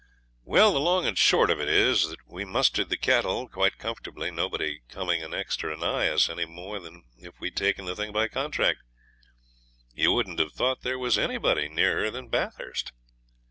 Well, the long and short of it is that we mustered the cattle quite comfortably, nobody coming anext or anigh us any more than if we'd taken the thing by contract. You wouldn't have thought there was anybody nearer than Bathurst.